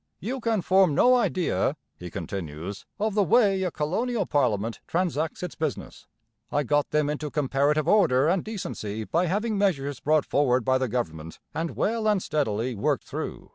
'You can form no idea,' he continues, 'of the way a Colonial Parliament transacts its business. I got them into comparative order and decency by having measures brought forward by the Government and well and steadily worked through.